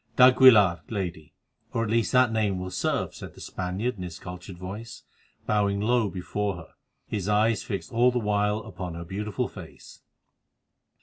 "D'Aguilar, Lady, or at least that name will serve," said the Spaniard in his cultured voice, bowing low before her, his eyes fixed all the while upon her beautiful face.